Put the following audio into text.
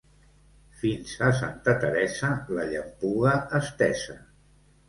Fins a Santa Teresa, la llampuga estesa.